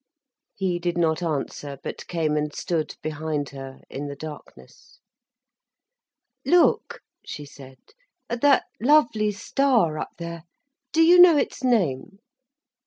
He did not answer, but came and stood behind her, in the darkness. "Look," she said, "at that lovely star up there. Do you know its name?"